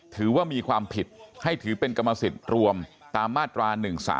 ถือว่ามีความผิดให้ถือเป็นกรรมสิทธิ์รวมตามมาตรา๑๓